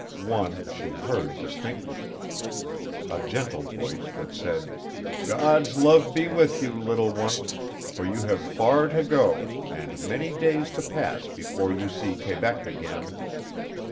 One she heard distinctly a gentle voice that said, "God's love be with you, little one, for you have far to go, and many days to pass before you see Quebec again."